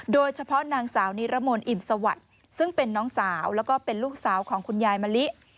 โดยเฉพาะนางสาวนิรมนต์อิ่มสวัสดิ์ซึ่งเป็นน้องสาวแล้วก็เป็นลูกสาวของคุณยายมะลิ